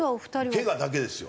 けがだけですよ。